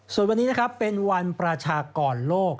ส่วนวันนี้เป็นวันประชากรโลก